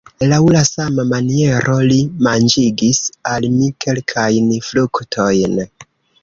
Laŭ la sama maniero li manĝigis al mi kelkajn fruktojn.